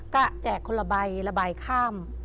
ก็แจกคนละใบละใบข้าม